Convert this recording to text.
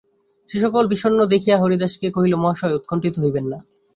সে সকলকে বিষণ্ণ দেখিয়া হরিদাসকে কহিল মহাশয় উৎকণ্ঠিত হইবেন না।